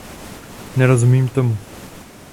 Nerozumím tomu.